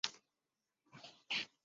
谢迁人。